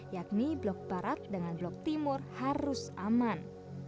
yakni blok barat dengan blok timur harus aman